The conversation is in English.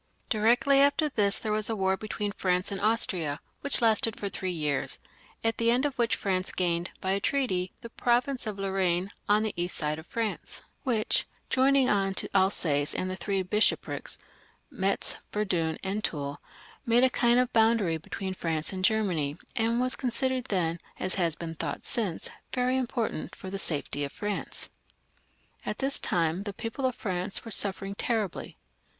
Diyecily after this there was a war between France and Austria, which lasted for three years, and at the end of which France gained, by a treaty, the province of Lorraine on the east side of France ; which, joining on to Alsace and the Three Bishoprics, Metz, Verdim, and Toul, made a kind of boundary between France and Germany, and was consi dered then, and has been thought since, very important for the safety of France. At this time the people of France were suffering 2b 370 LOUIS XV, [CH. — I ,..,—,_ terribly.